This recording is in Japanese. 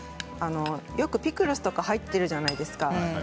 よくピクルスが入ってるじゃないですか。